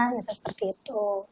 misalnya seperti itu